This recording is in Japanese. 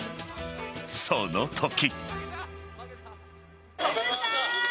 そのとき。